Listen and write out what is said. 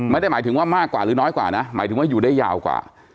ไม่ได้หมายถึงว่ามากกว่าหรือน้อยกว่านะหมายถึงว่าอยู่ได้ยาวกว่า